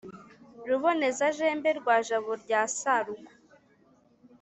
ruboneza-jembe rwa jabo rya sarugo,